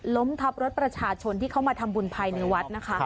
ล้มทับรถประชาชนที่เข้ามาทำบุญภายในวัดนะคะ